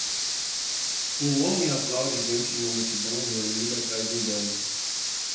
Um homem aplaude diante de uma multidão reunida atrás de um banner.